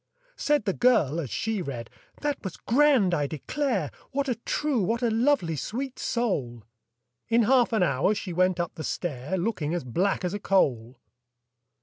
Said the girl as she read, "That was grand, I declare! What a true, what a lovely, sweet soul!" In half an hour she went up the stair, Looking as black as a coal!